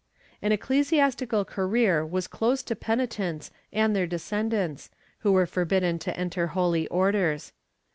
^ An ecclesiastical career was closed to penitents and their descend ants, who were forbidden to enter holy orders.